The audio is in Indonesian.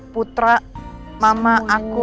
putra mama aku